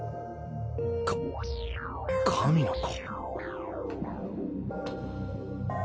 か神の子。